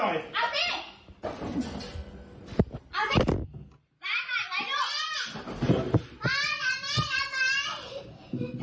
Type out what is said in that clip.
ว่ะแล้วสิ